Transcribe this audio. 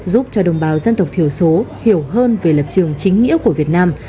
giúp cho đồng bào dân tộc thiểu số hiểu hơn về lập trường chính nghĩa của việt nam